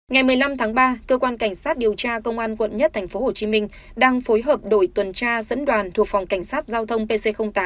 ngày một mươi năm tháng ba cơ quan cảnh sát điều tra công an quận một tp hcm đang phối hợp đội tuần tra dẫn đoàn thuộc phòng cảnh sát giao thông pc tám